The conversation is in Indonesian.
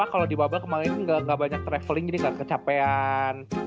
apa kalo di bubble kemaren gak banyak travelling jadi gak kecapean